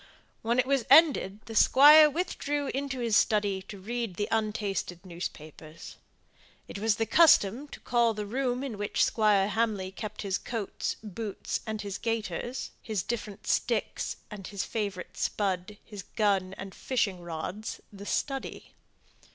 When it was ended the Squire withdrew into his study to read the untasted newspapers. It was the custom to call the room in which Squire Hamley kept his coats, boots, and gaiters, his different sticks and favourite spud, his gun and fishing rods, "the study."